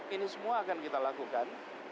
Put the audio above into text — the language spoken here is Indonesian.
ini semua akan kita lakukan